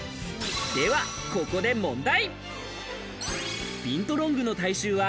ではここで問題。